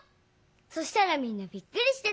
そしたらみんなびっくりしてた。